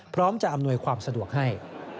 พร้อมจะอำนวยความสะดวกให้